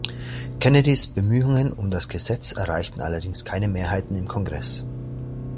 Kennedys Bemühungen um das Gesetz erreichten allerdings keine Mehrheiten im Kongress.